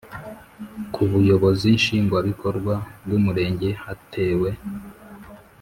ku Buyobozi Nshingwabikorwa bwumurenge hatewe